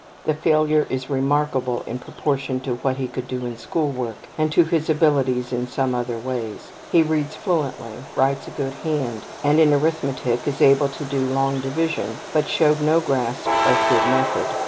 The failure is remarkable in proportion to what he could do in school work and to his abilities in some other ways. He reads fluently, writes a very good hand, and in arithmetic is able to do long division, but showed no grasp of good method.